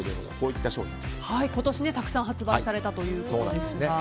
今年たくさん販売されたということですが。